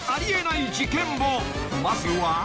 ［まずは］